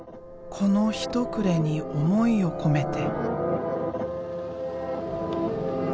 この一塊に想いを込めて。